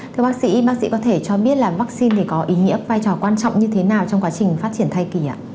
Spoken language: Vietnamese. thưa bác sĩ bác sĩ có thể cho biết vaccine có ý nghĩa vai trò quan trọng như thế nào trong quá trình phát triển thai kỳ